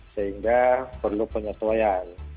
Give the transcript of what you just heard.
sehingga perlu penyesuaian